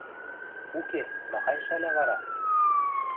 – Уке, махань шӓлӓ вара?